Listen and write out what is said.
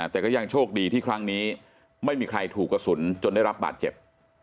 แต่ก็ยังโชคดีที่ครั้งนี้ไม่มีใครถูกกระสุนจนได้รับบาดเจ็บ